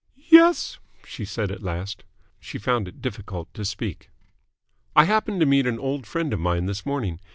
"Yes?" she said at last. She found it difficult to speak. "I happened to meet an old friend of mine this morning.